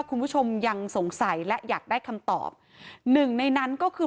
คุณผู้ชมยังสงสัยและอยากได้คำตอบหนึ่งในนั้นก็คือ